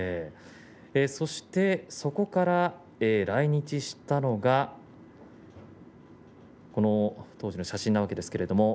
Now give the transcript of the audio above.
そして、そこから来日したのが当時の写真なわけですけれど。